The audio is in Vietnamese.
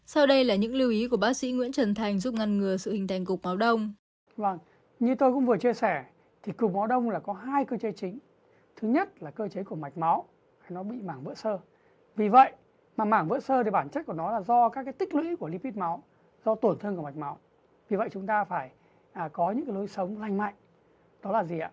sau đây là những lưu ý của bác sĩ nguyễn trần thành giúp ngăn ngừa sự hình thành cục máu đông